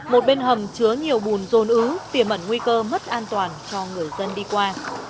một bên hầm chứa nhiều bùn rồn ứ tiềm mẩn nguy cơ mất an toàn cho người dân đi qua